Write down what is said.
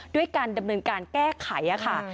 ด้วยการดำเนินการแก้ไขค่ะ